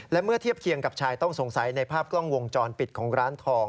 และเมื่อเทียบเคียงกับชายต้องสงสัยในภาพกล้องวงจรปิดของร้านทอง